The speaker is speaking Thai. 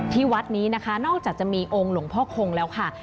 ที่วัดนี้นะคะนอกจากจะมีองค์หลวงพ่อคงแล้วค่ะ